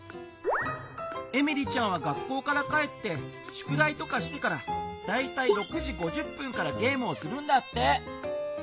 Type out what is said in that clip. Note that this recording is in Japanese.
エミリちゃんは学校から帰ってしゅくだいとかしてからだいたい６時５０分からゲームをするんだって。